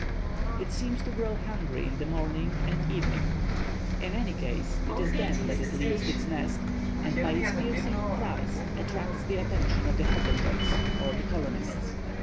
"It seems to grow hungry in the morning and evening. In any case, it is then that it leaves its nest, and by its piercing cries attracts the attention of the Hottentots or the colonists.